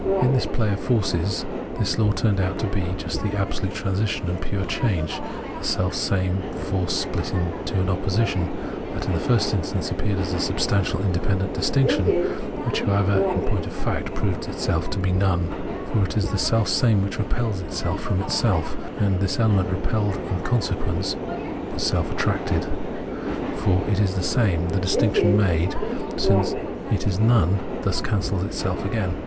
In the play of forces this law turned out to be just this absolute transition and pure change ; the selfsame, force, spht into an opposition, that in the first instance appeared as a substantial independent distinction, which, however, in point of fact proved to be none. For it is the selfsame which repels itself from itself, and this element repelled is in consequence essentially self attracted, for it is the same ; the distinction made, since it is none, thus cancels itself again.